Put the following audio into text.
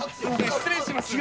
失礼します。